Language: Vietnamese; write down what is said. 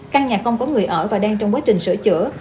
căn nhà không có người ở và đang trong quá trình sửa chữa